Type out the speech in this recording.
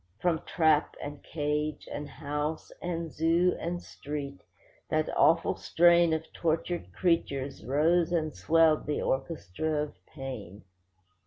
From trap, and cage, and house, and zoo, and street, that awful strain Of tortured creatures rose and swelled the orchestra of pain.